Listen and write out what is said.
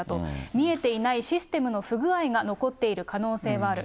見えていないシステムの不具合が残っている可能性はある。